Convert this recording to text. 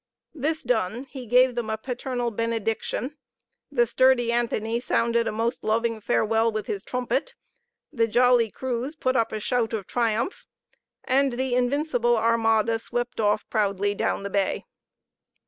This done, he gave them a paternal benediction, the sturdy Anthony sounded a most loving farewell with his trumpet, the jolly crews put up a shout of triumph, and the invincible armada swept off proudly down the bay.